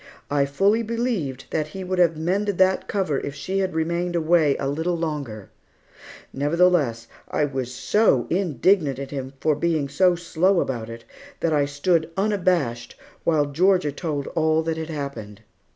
I fully believed that He would have mended that cover if she had remained away a little longer; nevertheless, I was so indignant at Him for being so slow about it, that I stood unabashed while Georgia told all that had happened.